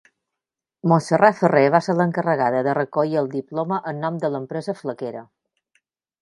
Montserrat Ferrer va ser l'encarregada de recollir el Diploma en nom de l'empresa flequera.